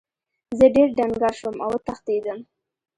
زه ډیر ډنګر شوم او وتښتیدم.